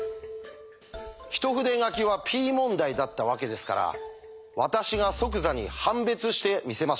一筆書きはＰ問題だったわけですから私が即座に判別してみせましょう。